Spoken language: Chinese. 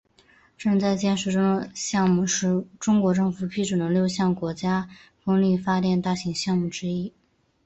正在建设中的项目是中国政府批准的六项国家风力发电大型项目之一。